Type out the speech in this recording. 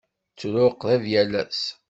Ttruɣ qrib yal ass.